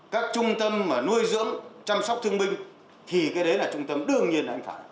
các trung tâm mà nuôi dưỡng chăm sóc thương binh thì cái đấy là trung tâm đương nhiên anh phải